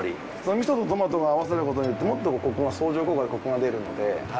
味噌とトマトが合わさることによってもっと相乗効果でコクが出るので。